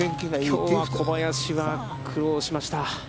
きょう、小林は苦労しました。